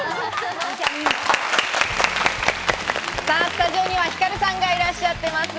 スタジオには、光さんがいらっしゃっています。